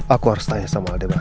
aku harus tanya sama aldebaran